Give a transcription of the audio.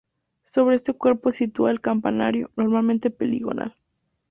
Sobre este cuerpo se sitúa el campanario, normalmente poligonal.